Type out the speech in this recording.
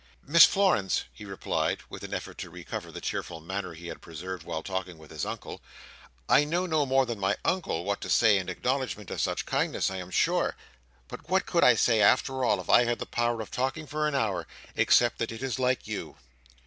"Miss Florence," he replied, with an effort to recover the cheerful manner he had preserved while talking with his Uncle, "I know no more than my Uncle, what to say in acknowledgment of such kindness, I am sure. But what could I say, after all, if I had the power of talking for an hour, except that it is like you?"